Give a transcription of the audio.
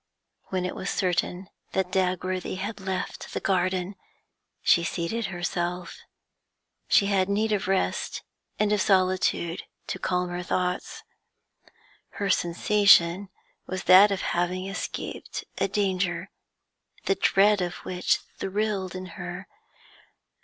When it was certain that Dagworthy had left the garden, she seated herself; she had need of rest and of solitude to calm her thoughts. Her sensation was that of having escaped a danger, the dread of which thrilled in her.